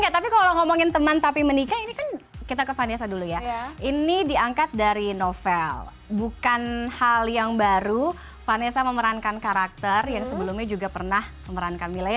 tapi kalau ngomongin teman tapi menikah ini kan kita ke vanessa dulu ya ini diangkat dari novel bukan hal yang baru vanessa memerankan karakter yang sebelumnya juga pernah memerankan mile